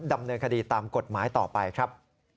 ดำเนินคดีตามกฎหมายต่อไปครับ